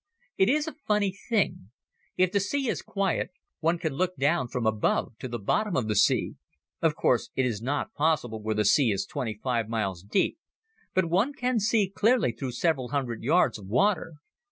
It is a funny thing. If the sea is quiet, one can look down from above to the bottom of the sea. Of course it is not possible where the sea is twenty five miles deep but one can see clearly through several hundred yards of water.